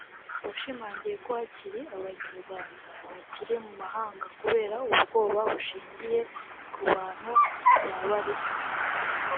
washimangiye ko hakiri Abanyarwanda bakiri mu mahanga kubera “ubwoba bushingiye ku bantu ba baringa”